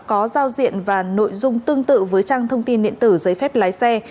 có giao diện và nội dung tương tự với trang thông tin điện tử giấy phép lái xe